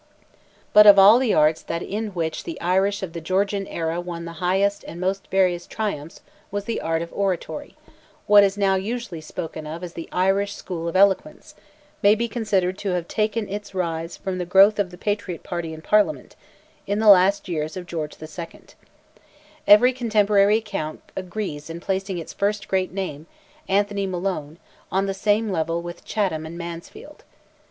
But of all the arts, that in which the Irish of the Georgian era won the highest and most various triumphs was the art of Oratory, What is now usually spoken of as "the Irish School of Eloquence," may be considered to have taken its rise from the growth of the Patriot party in Parliament, in the last years of George II. Every contemporary account agrees in placing its first great name—Anthony Malone—on the same level with Chatham and Mansfield.